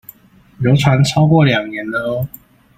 流傳超過兩年了喔